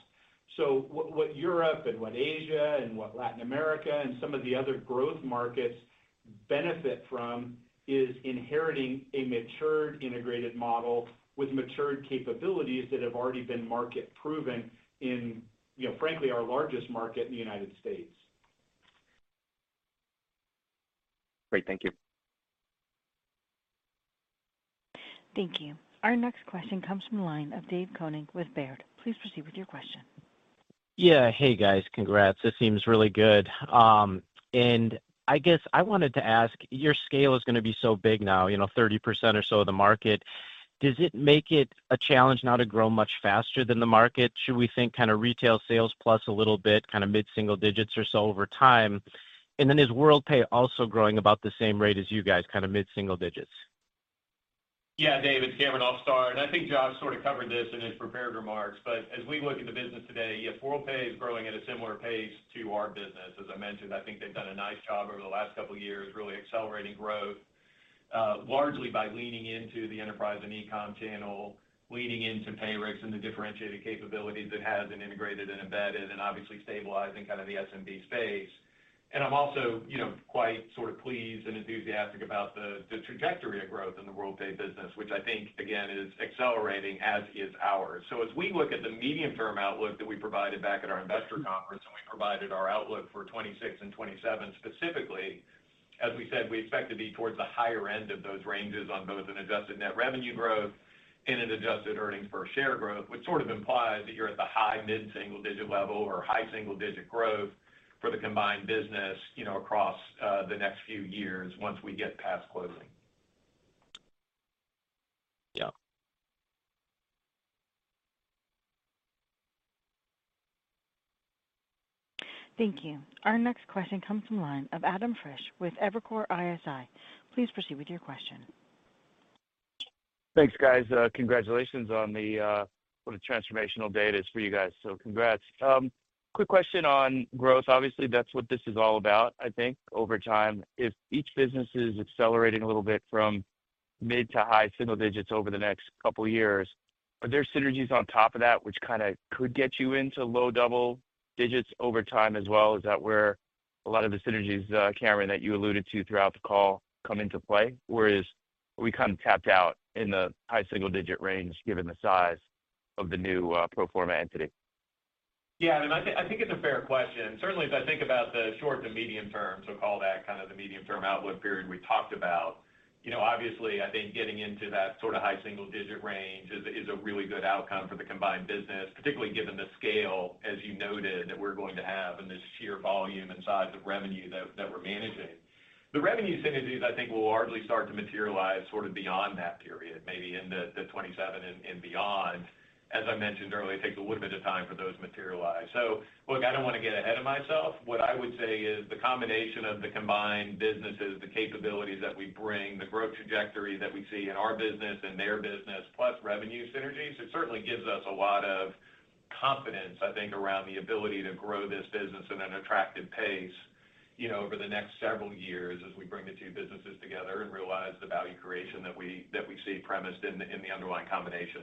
What Europe and what Asia and what Latin America and some of the other growth markets benefit from is inheriting a matured integrated model with matured capabilities that have already been market-proven in, frankly, our largest market in the United States. Great. Thank you. Thank you. Our next question comes from the line of David Koning with Baird. Please proceed with your question. Yeah. Hey, guys. Congrats. This seems really good. I guess I wanted to ask, your scale is going to be so big now, 30% or so of the market. Does it make it a challenge now to grow much faster than the market? Should we think kind of retail sales plus a little bit kind of mid-single digits or so over time? Is Worldpay also growing about the same rate as you guys, kind of mid-single digits? Yeah. David, Cameron, I'll start. I think Josh sort of covered this in his prepared remarks. As we look at the business today, yes, Worldpay is growing at a similar pace to our business. As I mentioned, I think they've done a nice job over the last couple of years, really accelerating growth largely by leaning into the enterprise and e-com channel, leaning into PayRex and the differentiated capabilities it has and integrated and embedded, and obviously stabilizing kind of the SMB space. I'm also quite sort of pleased and enthusiastic about the trajectory of growth in the Worldpay business, which I think, again, is accelerating as is ours. As we look at the medium-term outlook that we provided back at our investor conference and we provided our outlook for 2026 and 2027 specifically, as we said, we expect to be towards the higher end of those ranges on both an adjusted net revenue growth and an adjusted earnings per share growth, which sort of implies that you're at the high mid-single digit level or high single-digit growth for the combined business across the next few years once we get past closing. Thank you. Our next question comes from the line of Adam Frisch with Evercore ISI. Please proceed with your question. Thanks, guys. Congratulations on what a transformational day it is for you guys. So congrats. Quick question on growth. Obviously, that's what this is all about, I think, over time. If each business is accelerating a little bit from mid to high single digits over the next couple of years, are there synergies on top of that which kind of could get you into low double digits over time as well? Is that where a lot of the synergies, Cameron, that you alluded to throughout the call come into play, or are we kind of tapped out in the high single-digit range given the size of the new pro forma entity? Yeah. I mean, I think it's a fair question. Certainly, as I think about the short to medium term, so call that kind of the medium-term outlook period we talked about, obviously, I think getting into that sort of high single-digit range is a really good outcome for the combined business, particularly given the scale, as you noted, that we're going to have and the sheer volume and size of revenue that we're managing. The revenue synergies, I think, will largely start to materialize sort of beyond that period, maybe into 2027 and beyond. As I mentioned earlier, it takes a little bit of time for those to materialize. Look, I don't want to get ahead of myself. What I would say is the combination of the combined businesses, the capabilities that we bring, the growth trajectory that we see in our business and their business, plus revenue synergies, it certainly gives us a lot of confidence, I think, around the ability to grow this business at an attractive pace over the next several years as we bring the two businesses together and realize the value creation that we see premised in the underlying combination.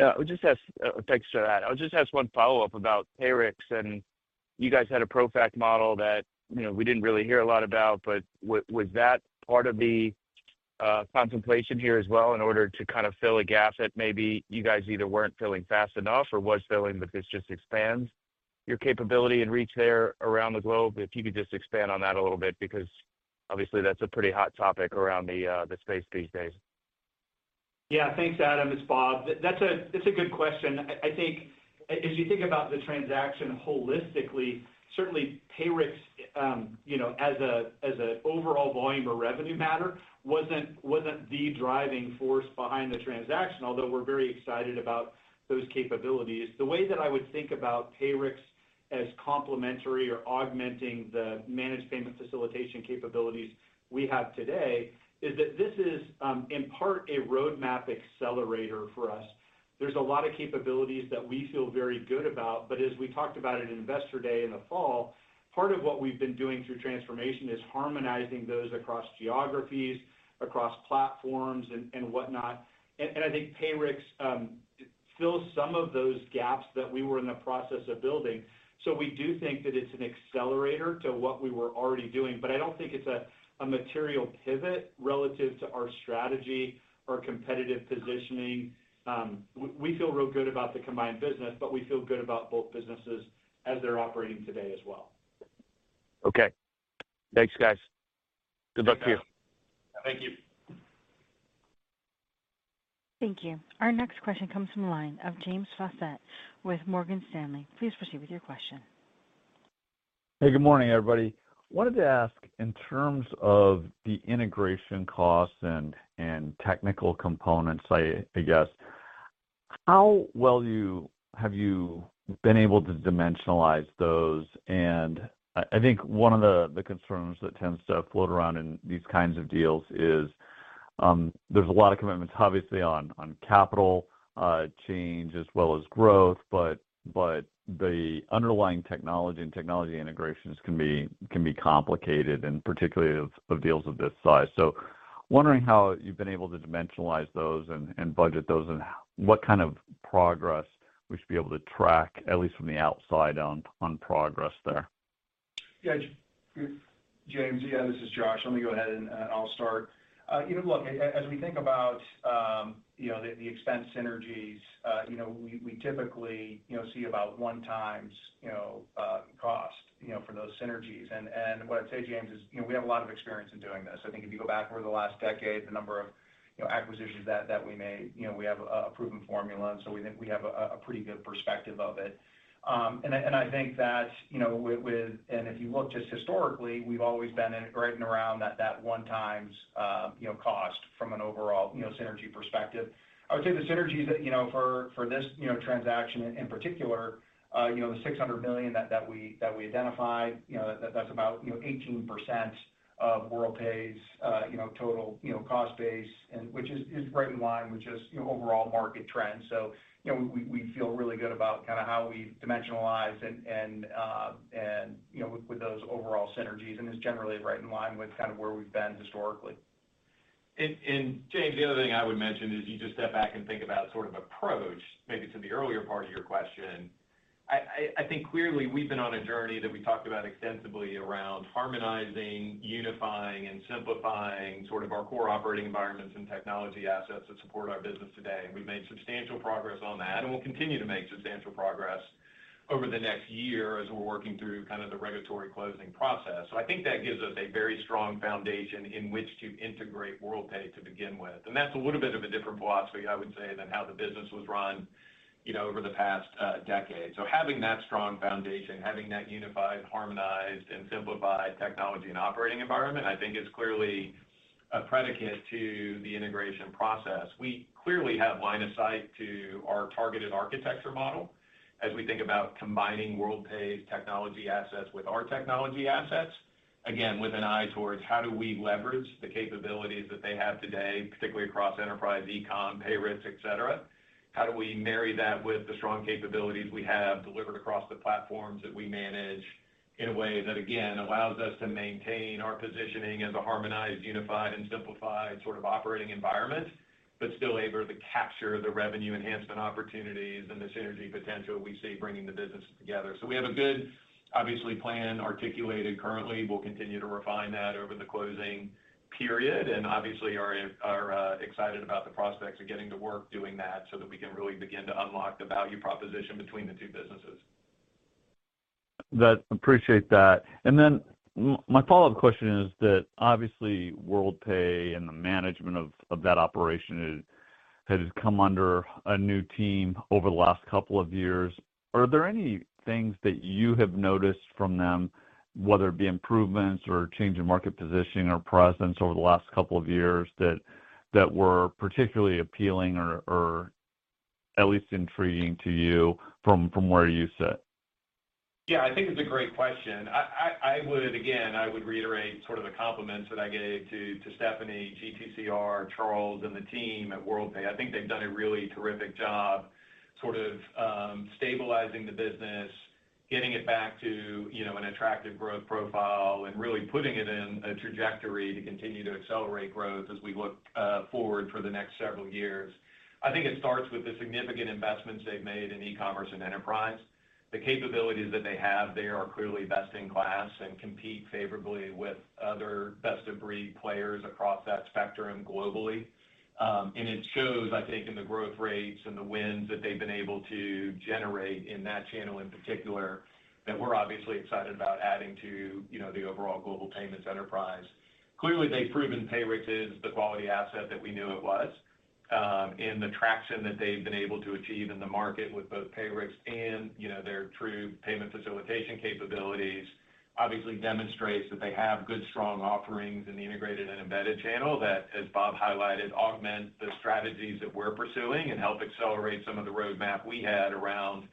Yeah. Thanks for that. I'll just ask one follow-up about PayRex. And you guys had a ProFac model that we didn't really hear a lot about, but was that part of the contemplation here as well in order to kind of fill a gap that maybe you guys either weren't filling fast enough or were filling but this just expands your capability and reach there around the globe? If you could just expand on that a little bit because obviously, that's a pretty hot topic around the space these days. Yeah. Thanks, Adam. It's Bob. That's a good question. I think as you think about the transaction holistically, certainly PayRex as an overall volume or revenue matter wasn't the driving force behind the transaction, although we're very excited about those capabilities. The way that I would think about PayRex as complementary or augmenting the managed payment facilitation capabilities we have today is that this is in part a roadmap accelerator for us. There's a lot of capabilities that we feel very good about, but as we talked about at Investor Day in the fall, part of what we've been doing through transformation is harmonizing those across geographies, across platforms, and whatnot. I think PayRex fills some of those gaps that we were in the process of building. We do think that it's an accelerator to what we were already doing, but I don't think it's a material pivot relative to our strategy, our competitive positioning. We feel real good about the combined business, but we feel good about both businesses as they're operating today as well. Okay. Thanks, guys. Good luck to you. Thank you. Thank you. Our next question comes from the line of James Faucette with Morgan Stanley. Please proceed with your question. Hey, good morning, everybody. I wanted to ask in terms of the integration costs and technical components, I guess, how well have you been able to dimensionalize those? I think one of the concerns that tends to float around in these kinds of deals is there's a lot of commitments, obviously, on capital change as well as growth, but the underlying technology and technology integrations can be complicated, particularly of deals of this size. Wondering how you've been able to dimensionalize those and budget those and what kind of progress we should be able to track, at least from the outside, on progress there. Yeah. James, yeah, this is Josh. Let me go ahead and I'll start. Look, as we think about the expense synergies, we typically see about one-time cost for those synergies. What I'd say, James, is we have a lot of experience in doing this. I think if you go back over the last decade, the number of acquisitions that we made, we have a proven formula, and so we think we have a pretty good perspective of it. I think that if you look just historically, we've always been right and around that one-time cost from an overall synergy perspective. I would say the synergies for this transaction in particular, the $600 million that we identified, that's about 18% of Worldpay's total cost base, which is right in line with just overall market trends. We feel really good about kind of how we've dimensionalized and with those overall synergies and is generally right in line with kind of where we've been historically. James, the other thing I would mention is you just step back and think about sort of approach maybe to the earlier part of your question. I think clearly we've been on a journey that we talked about extensively around harmonizing, unifying, and simplifying sort of our core operating environments and technology assets that support our business today. We've made substantial progress on that, and we'll continue to make substantial progress over the next year as we're working through kind of the regulatory closing process. I think that gives us a very strong foundation in which to integrate Worldpay to begin with. That's a little bit of a different philosophy, I would say, than how the business was run over the past decade. Having that strong foundation, having that unified, harmonized, and simplified technology and operating environment, I think is clearly a predicate to the integration process. We clearly have line of sight to our targeted architecture model as we think about combining Worldpay's technology assets with our technology assets, again, with an eye towards how do we leverage the capabilities that they have today, particularly across enterprise, e-com, PayRex, etc. How do we marry that with the strong capabilities we have delivered across the platforms that we manage in a way that, again, allows us to maintain our positioning as a harmonized, unified, and simplified sort of operating environment, but still able to capture the revenue enhancement opportunities and the synergy potential we see bringing the business together. We have a good, obviously, plan articulated currently. We will continue to refine that over the closing period. Obviously, we are excited about the prospects of getting to work doing that so that we can really begin to unlock the value proposition between the two businesses. I appreciate that. My follow-up question is that obviously, Worldpay and the management of that operation has come under a new team over the last couple of years. Are there any things that you have noticed from them, whether it be improvements or change in market positioning or presence over the last couple of years that were particularly appealing or at least intriguing to you from where you sit? Yeah. I think it's a great question. I would reiterate sort of the compliments that I gave to Stephanie, GTCR, Charles, and the team at Worldpay. I think they've done a really terrific job sort of stabilizing the business, getting it back to an attractive growth profile, and really putting it in a trajectory to continue to accelerate growth as we look forward for the next several years. I think it starts with the significant investments they've made in e-commerce and enterprise. The capabilities that they have there are clearly best in class and compete favorably with other best-of-breed players across that spectrum globally. It shows, I think, in the growth rates and the wins that they've been able to generate in that channel in particular that we're obviously excited about adding to the overall Global Payments enterprise. Clearly, they've proven PayRex is the quality asset that we knew it was. The traction that they've been able to achieve in the market with both PayRex and their true payment facilitation capabilities obviously demonstrates that they have good, strong offerings in the integrated and embedded channel that, as Bob highlighted, augment the strategies that we're pursuing and help accelerate some of the roadmap we had around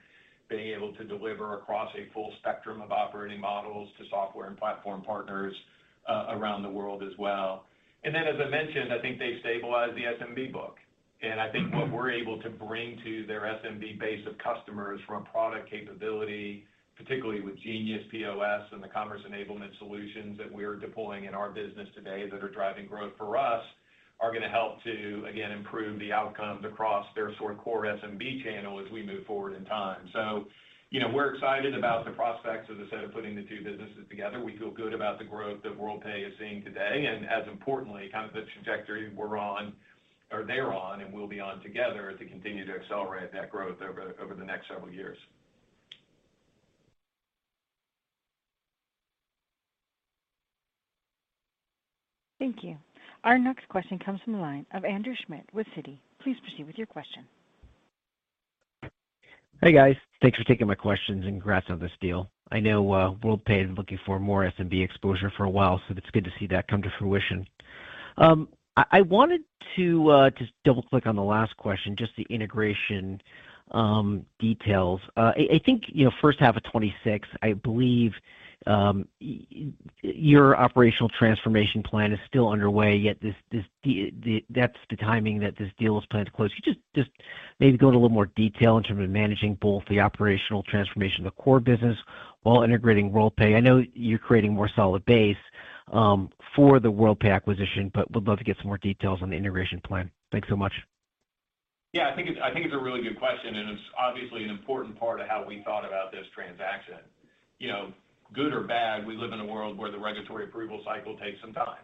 being able to deliver across a full spectrum of operating models to software and platform partners around the world as well. As I mentioned, I think they've stabilized the SMB book. I think what we're able to bring to their SMB base of customers from a product capability, particularly with Genius POS and the commerce enablement solutions that we're deploying in our business today that are driving growth for us, are going to help to, again, improve the outcomes across their sort of core SMB channel as we move forward in time. We're excited about the prospects of the set of putting the two businesses together. We feel good about the growth that Worldpay is seeing today and, as importantly, kind of the trajectory we're on or they're on and we'll be on together to continue to accelerate that growth over the next several years. Thank you. Our next question comes from the line of Andrew Schmidt with Citi. Please proceed with your question. Hey, guys. Thanks for taking my questions and congrats on this deal. I know Worldpay has been looking for more SMB exposure for a while, so it's good to see that come to fruition. I wanted to just double-click on the last question, just the integration details. I think first half of 2026, I believe your operational transformation plan is still underway, yet that's the timing that this deal is planned to close. Could you just maybe go into a little more detail in terms of managing both the operational transformation of the core business while integrating Worldpay? I know you're creating a more solid base for the Worldpay acquisition, but would love to get some more details on the integration plan. Thanks so much. Yeah. I think it's a really good question, and it's obviously an important part of how we thought about this transaction. Good or bad, we live in a world where the regulatory approval cycle takes some time,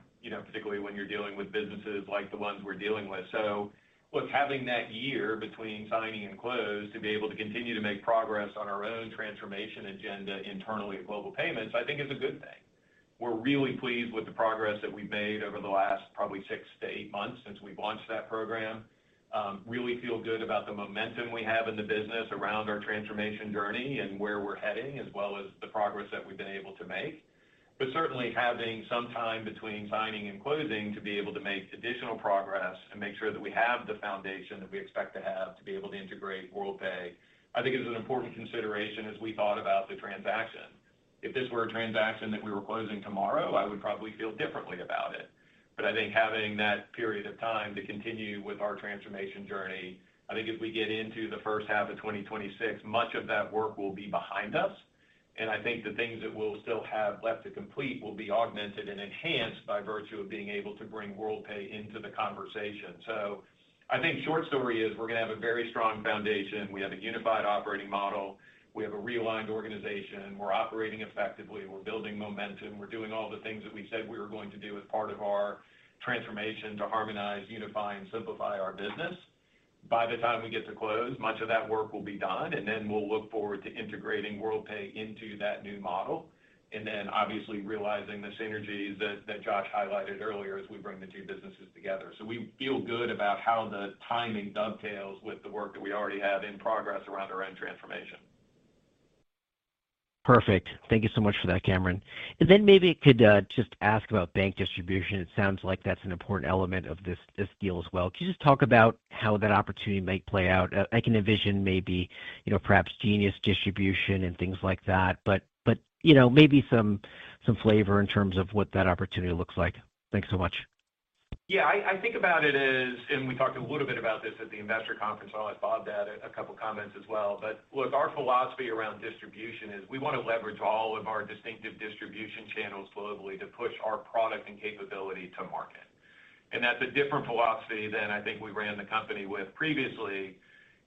particularly when you're dealing with businesses like the ones we're dealing with. Look, having that year between signing and close to be able to continue to make progress on our own transformation agenda internally at Global Payments, I think, is a good thing. We're really pleased with the progress that we've made over the last probably six to eight months since we've launched that program. Really feel good about the momentum we have in the business around our transformation journey and where we're heading, as well as the progress that we've been able to make. Certainly, having some time between signing and closing to be able to make additional progress and make sure that we have the foundation that we expect to have to be able to integrate Worldpay, I think, is an important consideration as we thought about the transaction. If this were a transaction that we were closing tomorrow, I would probably feel differently about it. I think having that period of time to continue with our transformation journey, I think if we get into the first half of 2026, much of that work will be behind us. I think the things that we'll still have left to complete will be augmented and enhanced by virtue of being able to bring Worldpay into the conversation. I think short story is we're going to have a very strong foundation. We have a unified operating model. We have a realigned organization. We're operating effectively. We're building momentum. We're doing all the things that we said we were going to do as part of our transformation to harmonize, unify, and simplify our business. By the time we get to close, much of that work will be done, and we will look forward to integrating Worldpay into that new model and then, obviously, realizing the synergies that Josh highlighted earlier as we bring the two businesses together. We feel good about how the timing dovetails with the work that we already have in progress around our own transformation. Perfect. Thank you so much for that, Cameron. Maybe I could just ask about bank distribution. It sounds like that's an important element of this deal as well. Could you just talk about how that opportunity might play out? I can envision maybe perhaps Genius distribution and things like that, but maybe some flavor in terms of what that opportunity looks like. Thanks so much. Yeah. I think about it as, and we talked a little bit about this at the Investor Conference. I'll let Bob add a couple of comments as well. Look, our philosophy around distribution is we want to leverage all of our distinctive distribution channels globally to push our product and capability to market. That's a different philosophy than I think we ran the company with previously.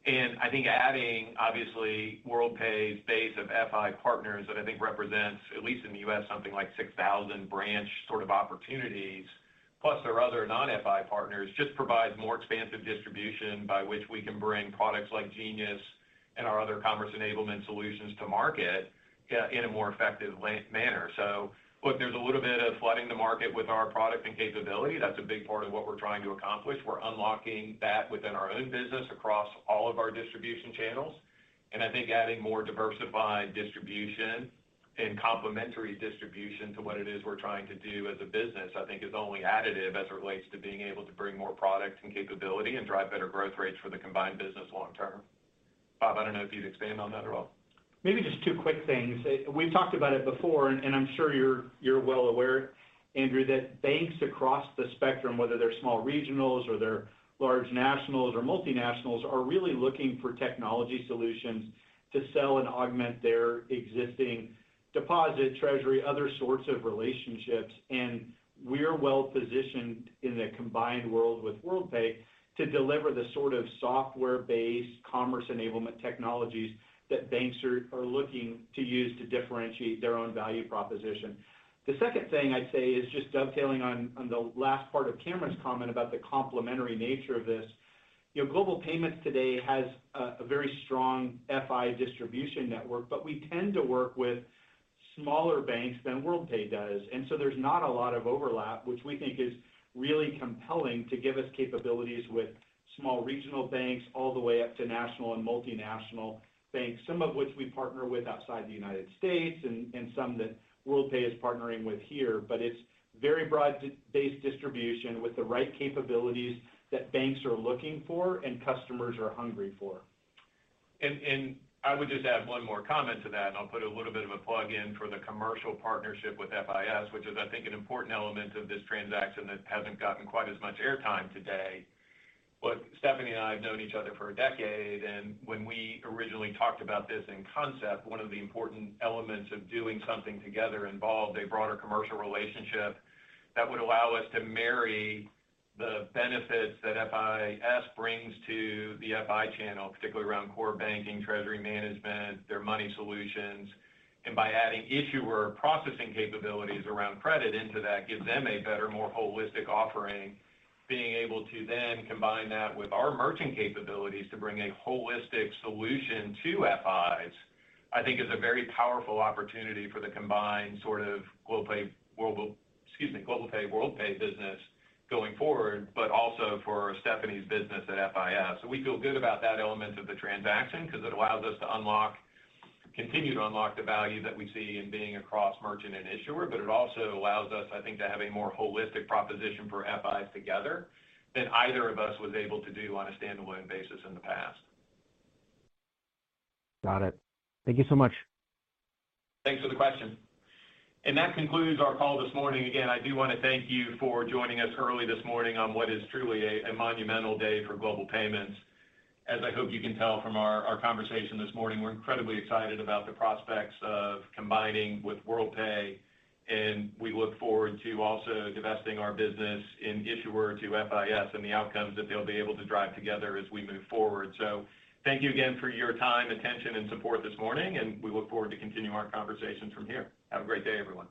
I think adding, obviously, Worldpay's base of FI partners that I think represents, at least in the U.S., something like 6,000 branch sort of opportunities, plus their other non-FI partners, just provides more expansive distribution by which we can bring products like Genius and our other commerce enablement solutions to market in a more effective manner. Look, there's a little bit of flooding the market with our product and capability. That's a big part of what we're trying to accomplish. We're unlocking that within our own business across all of our distribution channels. I think adding more diversified distribution and complementary distribution to what it is we're trying to do as a business is only additive as it relates to being able to bring more product and capability and drive better growth rates for the combined business long term. Bob, I do not know if you would expand on that at all. Maybe just two quick things. We have talked about it before, and I am sure you are well aware, Andrew, that banks across the spectrum, whether they are small regionals or they are large nationals or multinationals, are really looking for technology solutions to sell and augment their existing deposit, treasury, other sorts of relationships. We are well positioned in the combined world with Worldpay to deliver the sort of software-based commerce enablement technologies that banks are looking to use to differentiate their own value proposition. The second thing I would say is just dovetailing on the last part of Cameron's comment about the complementary nature of this. Global Payments today has a very strong FI distribution network, but we tend to work with smaller banks than Worldpay does. There is not a lot of overlap, which we think is really compelling to give us capabilities with small regional banks all the way up to national and multinational banks, some of which we partner with outside the U.S. and some that Worldpay is partnering with here. It is very broad-based distribution with the right capabilities that banks are looking for and customers are hungry for. I would just add one more comment to that, and I'll put a little bit of a plug in for the commercial partnership with FIS, which is, I think, an important element of this transaction that has not gotten quite as much airtime today. Look, Stephanie and I have known each other for a decade, and when we originally talked about this in concept, one of the important elements of doing something together involved a broader commercial relationship that would allow us to marry the benefits that FIS brings to the FI channel, particularly around core banking, treasury management, their money solutions. By adding issuer processing capabilities around credit into that, give them a better, more holistic offering, being able to then combine that with our merchant capabilities to bring a holistic solution to FIs, I think, is a very powerful opportunity for the combined sort of Global Payments/Worldpay business going forward, but also for Stephanie's business at FIS. We feel good about that element of the transaction because it allows us to continue to unlock the value that we see in being a cross-merchant and issuer, but it also allows us, I think, to have a more holistic proposition for FIs together than either of us was able to do on a standalone basis in the past. Got it. Thank you so much. Thanks for the question. That concludes our call this morning. Again, I do want to thank you for joining us early this morning on what is truly a monumental day for Global Payments. As I hope you can tell from our conversation this morning, we're incredibly excited about the prospects of combining with Worldpay, and we look forward to also divesting our business in issuer to FIS and the outcomes that they'll be able to drive together as we move forward. Thank you again for your time, attention, and support this morning, and we look forward to continuing our conversations from here. Have a great day, everyone.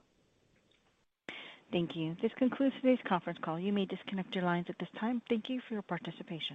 Thank you. This concludes today's conference call. You may disconnect your lines at this time. Thank you for your participation.